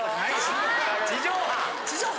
地上波！